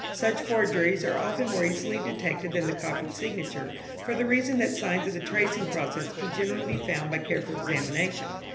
Such forgeries are often more easily detected than the copied signature, for the reason that signs of the tracing process can generally be found by careful examination.